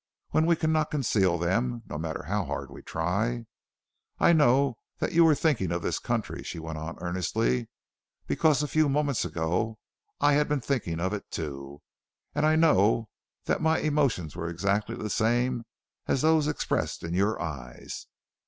When we can not conceal them no matter how hard we try? I know that you were thinking of the country," she went on earnestly, "because a few moments ago I had been thinking of it too and I know that my emotions were exactly the same as those expressed in your eyes.